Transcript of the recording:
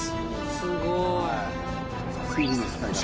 すごい。